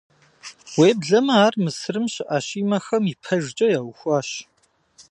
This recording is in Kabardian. Уеблэмэ ар Мысырым щыӀэ Щимэхэм ипэжкӀэ яухуащ.